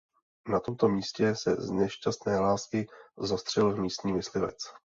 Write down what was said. Na tomto místě se z nešťastné lásky zastřelil místní myslivec.